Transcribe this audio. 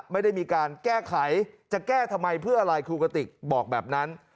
ไม่ได้มีการแก้ไขจะแก้ทำไมเพื่ออะไรครูกติกบอกแบบนั้น